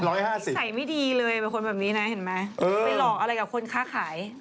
นิสัยไม่ดีเลยเป็นคนแบบนี้นะเห็นไหมไปหลอกอะไรกับคนค้าขาย